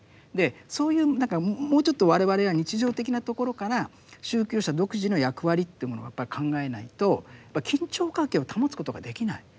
そういう何かもうちょっと我々は日常的なところから宗教者独自の役割というものをやっぱり考えないと緊張関係を保つことができない。